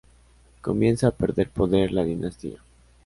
Comienza a perder poder la dinastía.